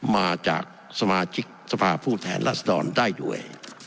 มาจากสมาชิกสภาพผู้แทนรัศดรได้ด้วย